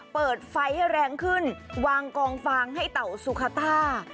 เปิดไฟให้แรงขึ้นวางกองฟางให้เต่าสุคาต้า